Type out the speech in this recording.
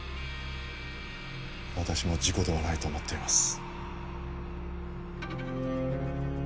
私も事故ではないと思っています